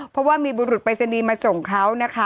เพราะว่ามีบุรุษปรายศนีย์มาส่งเขานะคะ